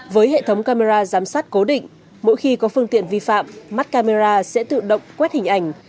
với hệ thống camera giám sát cố định mỗi khi có phương tiện vi phạm mắt camera sẽ tự động quét hình ảnh